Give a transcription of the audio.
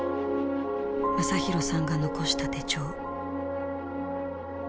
昌弘さんが残した手帳。